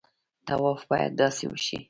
طواف باید داسې وشي.